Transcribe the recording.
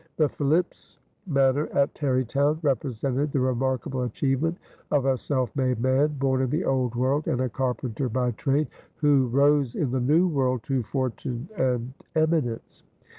The Philipse Manor, at Tarrytown, represented the remarkable achievement of a self made man, born in the Old World and a carpenter by trade, who rose in the New World to fortune and eminence.